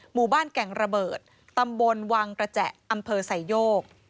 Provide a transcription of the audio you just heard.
หมู่บ้านแก่งระเบิดตำบลวังกระแจอำเภอไซโยก